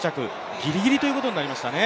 ギリギリということになりました。